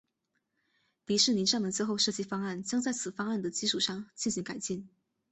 迪士尼站的最后设计方案将在此方案的基础上进行改进。